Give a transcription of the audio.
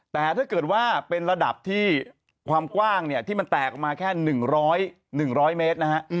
แต่ถ้าเกิดว่าเป็นระดับที่ความกว้างเนี่ยที่มันแตกออกมาแค่๑๐๐๑๐๐เมตรนะฮะ